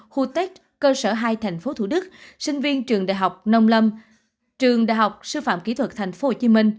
khu tết cơ sở hai tp thủ đức sinh viên trường đại học nông lâm trường đại học sư phạm kỹ thuật tp hcm